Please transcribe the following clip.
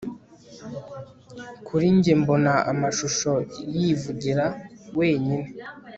Kuri njye mbona amashusho yivugira wenyine